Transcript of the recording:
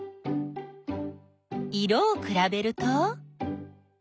色をくらべると？